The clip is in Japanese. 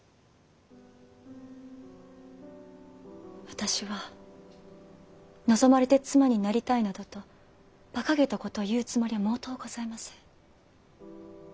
私は望まれて妻になりたいなどとバカげたことを言うつもりは毛頭ございません。